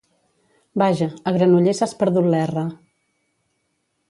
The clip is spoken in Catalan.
Vaja, a Granollers has perdut l'erra